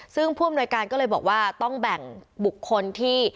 ซึ่งผู้อำนวยการก็เลยบอกว่าต้องแบ่งบุคคลที่